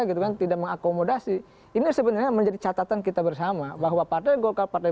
gitu kan tidak mengakomodasi ini sebenarnya menjadi catatan kita bersama bahwa partai golkar partai